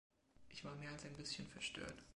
Ich war mehr als ein bisschen verstört.